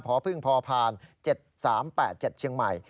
พอพึ่งพอผ่าน๗๓๘๗เชียงใหม่